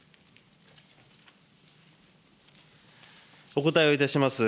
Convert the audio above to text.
お答えをいたします。